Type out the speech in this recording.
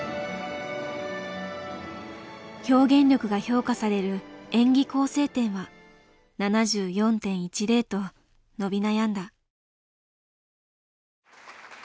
表現力が評価される演技構成点は７４．１０と伸び悩んだ。